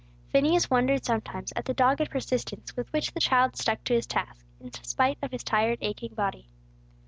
Phineas wondered sometimes at the dogged persistence with which the child stuck to his task, in spite of his tired, aching body.